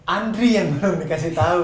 andri yang belum dikasih tahu